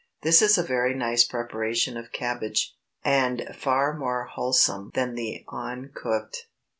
This is a very nice preparation of cabbage, and far more wholesome than the uncooked.